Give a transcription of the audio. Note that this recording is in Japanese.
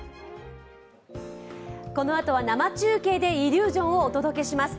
このあとは生中継でイリュージョンをお届けします。